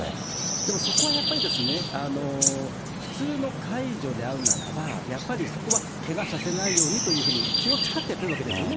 でもそこはやっぱり、普通の介助であるならば、やっぱりそこはけがさせないようにというふうに気を遣ってるわけですよね。